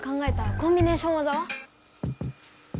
「コンビネーションわざ！